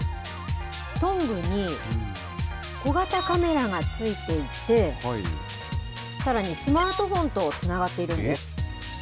トングに小型カメラがついていて、さらにスマートフォンとつながっているんです。